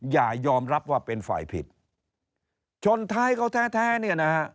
อย่ายอมรับว่าเป็นฝ่ายผิดชนท้ายเขาแท้แท้เนี่ยนะฮะ